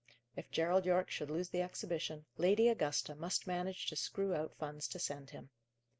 If Gerald Yorke should lose the exhibition, Lady Augusta must manage to screw out funds to send him.